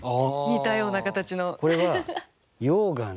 似たような形の。